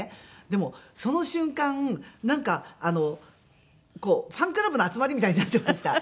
でもその瞬間なんかあのファンクラブの集まりみたいになってました。